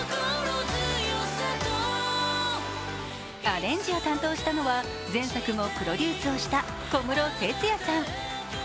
アレンジを担当したのは前作もプロデュースをした小室哲哉さん。